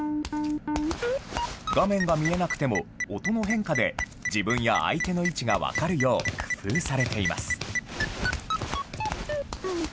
画面が見えなくても音の変化で自分や相手の位置が分かるよう工夫されています。